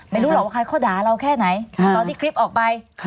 ไม่รู้หรอกว่าใครเขาด่าเราแค่ไหนตอนที่คลิปออกไป